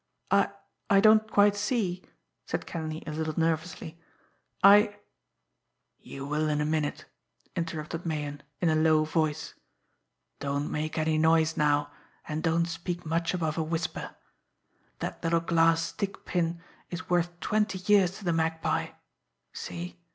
"I I don't quite see," said Kenleigh, a little nervously. "I " "You will in a minute," interrupted Meighan, in a low voice. "Don't make any noise now, and don't speak much above a whisper. That little glass stick pin is worth twenty years to the Magpie. See?